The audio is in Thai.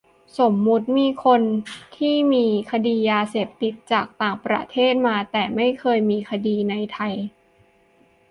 สมมติมีคนที่มีคดียาเสพติดจากต่างประเทศมา แต่ไม่เคยมีคดีในไทย